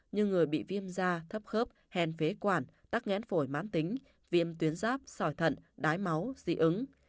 như người bị viêm da thấp khớp hèn phế quản tắc nghén phổi mán tính viêm tuyến ráp sỏi thận đái máu di ứng